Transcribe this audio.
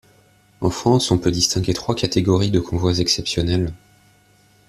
En France, on peut distinguer trois catégories de convois exceptionnels.